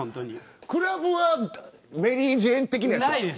クラブはメリー・ジェーン的なやつは。